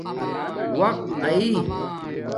وقت آݵ